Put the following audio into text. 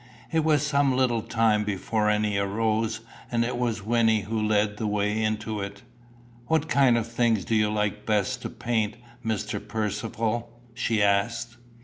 It was some little time before any arose, and it was Wynnie who led the way into it. "What kind of things do you like best to paint, Mr. Percivale?" she asked.